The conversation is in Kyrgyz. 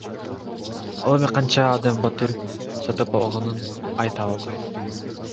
Ал эми канча адам батир сатып алганын айта албайм.